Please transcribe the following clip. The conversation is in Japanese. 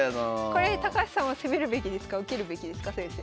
これ高橋さんは攻めるべきですか受けるべきですか先生。